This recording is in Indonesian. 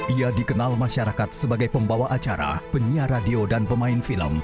ia dikenal masyarakat sebagai pembawa acara penyiar radio dan pemain film